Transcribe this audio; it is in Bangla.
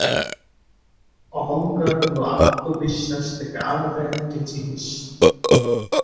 অহংকার হল আত্মবিশ্বাস থেকে আলাদা একটি জিনিস।